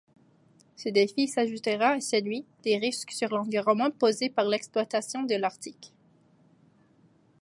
Ce défi s’ajoutera à celui, des risques sur l’environnement posés par l’exploitation de l’Arctique.